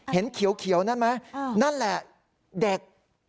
เห็นเขียวนั่นไหมนั่นแหละเด็ก